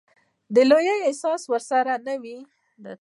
د لويي احساس ورسره نه وي.